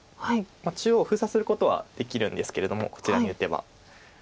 中央封鎖することはできるんですけれどもこちらに打てば。